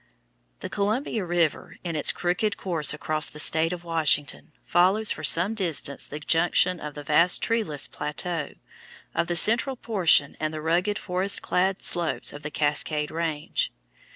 The Columbia River, in its crooked course across the state of Washington, follows for some distance the junction of the vast treeless plateau of the central portion and the rugged, forest clad slopes of the Cascade Range.